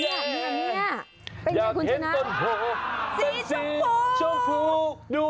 อยากเห็นต้นโผสีชมพู